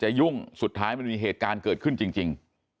ยุ่งสุดท้ายมันมีเหตุการณ์เกิดขึ้นจริง